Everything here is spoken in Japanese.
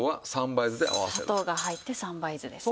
砂糖が入って三杯酢ですね。